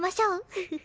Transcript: フフフ。